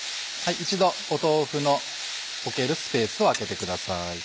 一度豆腐の置けるスペースを空けてください。